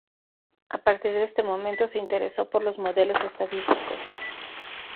A partir de este momento se interesó por los modelo estadísticos.